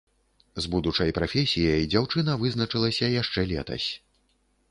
З будучай прафесіяй дзяўчына вызначылася яшчэ летась.